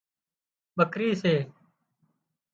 ٻڪرِي سي